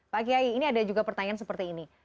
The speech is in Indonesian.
pak kiai ini ada juga pertanyaan seperti ini